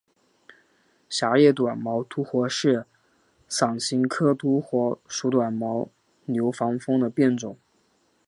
狭叶短毛独活是伞形科独活属短毛牛防风的变种。